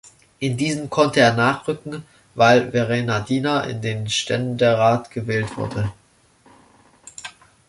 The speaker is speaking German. In diesen konnte er nachrücken, weil Verena Diener in den Ständerat gewählt wurde.